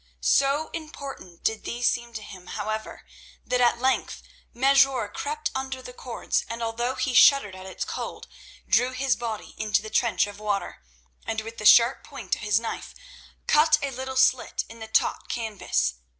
So important did these seem to him, however, that at length Mesrour crept under the cords, and although he shuddered at its cold, drew his body into the trench of water, and with the sharp point of his knife cut a little slit in the taut canvas.